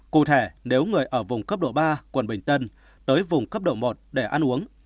cụ thể nếu người ở vùng cấp độ ba quận bình tân tới vùng cấp độ một để ăn uống